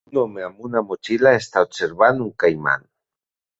Un home amb una motxilla està observant un caiman.